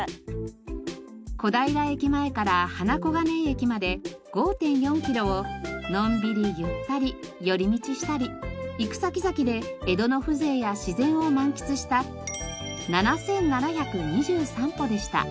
小平駅前から花小金井駅まで５．４キロをのんびりゆったり寄り道したり行く先々で江戸の風情や自然を満喫した７７２３歩でした。